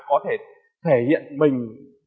có thể thể hiện mình